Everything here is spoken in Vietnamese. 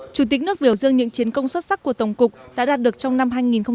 chủ tịch nước biểu dương những chiến công xuất sắc của tổng cục đã đạt được trong năm hai nghìn một mươi chín